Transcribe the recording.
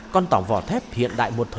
con tàu vỏ thép hiện đại một thờ